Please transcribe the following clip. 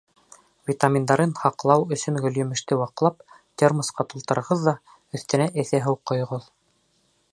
Витаминдарын һаҡлау өсөн гөлйемеште ваҡлап, термосҡа тултырығыҙ ҙа өҫтөнә эҫе һыу ҡойоғоҙ.